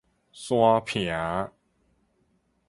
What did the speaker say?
山坪